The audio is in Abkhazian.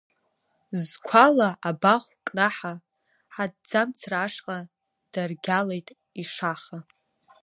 Зқәала абахә кнаҳа аҭӡамцра ашҟа даргьалеит ишаха…